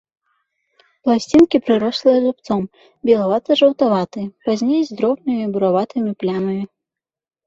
Пласцінкі прырослыя зубцом, белавата-жаўтаватыя, пазней з дробнымі бураватымі плямамі.